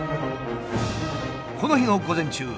この日の午前中